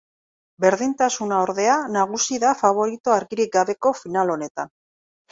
Berdintasuna, ordea, nagusi da faborito argirik gabeko final honetan.